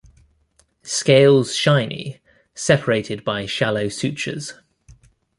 Scales shiny, separated by shallow sutures.